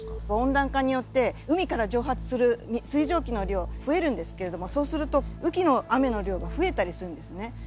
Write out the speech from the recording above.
温暖化によって海から蒸発する水蒸気の量増えるんですけれどもそうすると雨季の雨の量が増えたりするんですね。